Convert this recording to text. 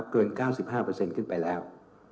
เกิน๙๕ขึ้นไปแล้ว